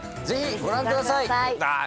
ぜひご覧ください！